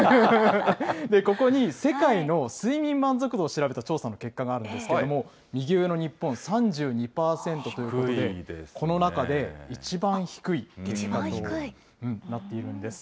ここに世界の睡眠満足度を調べた調査の結果があるんですけれども、右上の日本、３２％ということで、この中で一番低い結果となっているんです。